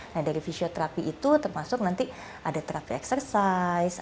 nah dari fisioterapi itu termasuk nanti ada terapi eksersis